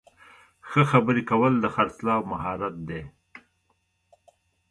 ښه خبرې کول د خرڅلاو مهارت دی.